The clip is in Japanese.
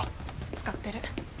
使ってる。